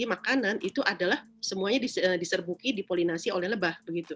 makanan itu adalah semuanya diserbuki dipolinasi oleh lebah begitu